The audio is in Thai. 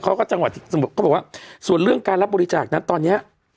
เขาก็จังหวัดสมมุติเขาบอกว่าส่วนเรื่องการรับบริจาคน่ะตอนนี้